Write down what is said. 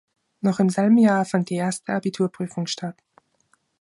Noch im selben Jahr fand die erste Abiturprüfung statt.